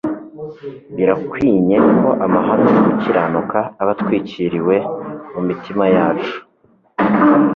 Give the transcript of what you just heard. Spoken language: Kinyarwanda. birakwinye ko amahame yo gukiranuka aba atwikiriwe mu mitima yacu.